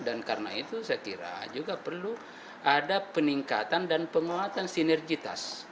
dan karena itu saya kira juga perlu ada peningkatan dan penguatan sinergitas